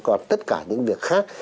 còn tất cả những việc khác